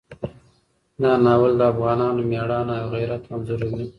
دا ناول د افغانانو مېړانه او غیرت انځوروي.